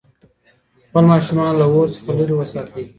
خپل ماشومان له اور څخه لرې وساتئ.